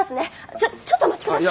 ちょちょっとお待ち下さい。